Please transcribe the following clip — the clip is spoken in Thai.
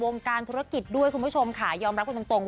การธุรกิจด้วยคุณผู้ชมค่ะยอมรับกันตรงตรง